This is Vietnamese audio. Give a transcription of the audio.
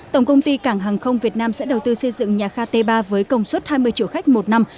tổng công ty cảng hàng không việt nam sẽ đầu tư xây dựng nhà ga t ba với công suất hai mươi triệu khách một năm